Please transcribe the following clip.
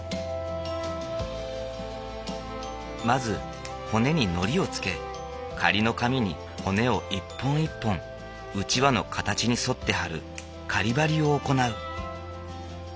まず骨にのりをつけ仮の紙に骨を一本一本うちわの形に沿ってはる仮ばりを行う。